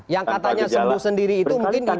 yang katanya sembuh sendiri itu mungkin itu ya prof